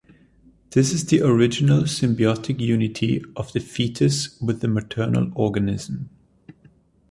This is the original symbiotic unity of the fetus with the maternal organism.